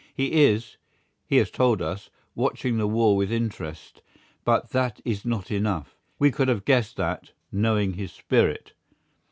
He is, he has told us, watching the war with interest, but that is not enough; we could have guessed that, knowing his spirit.